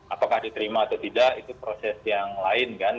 apakah diterima atau tidak itu proses yang lain kan